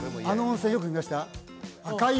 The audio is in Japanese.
あの温泉よく見ました？